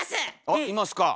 あっいますか。